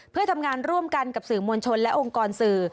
เพื่อทำงานร่วมกันกับสื่อมวลชนและองค์กรสื่อ